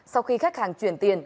sau khi khách hàng chuyển tiền